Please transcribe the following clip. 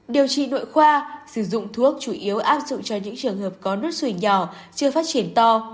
điều trị nội khoa sử dụng thuốc chủ yếu áp dụng cho những trường hợp có nước rủi nhỏ chưa phát triển to